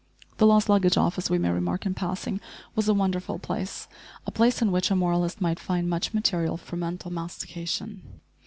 The lost luggage office, we may remark in passing, was a wonderful place a place in which a moralist might find much material for mental mastication.